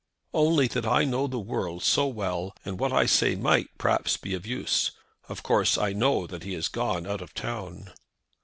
"Only that I know the world so well that what I say might, perhaps, be of use. Of course I know that he has gone out of town."